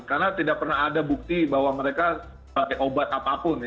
karena tidak pernah ada bukti bahwa mereka pakai obat apapun ya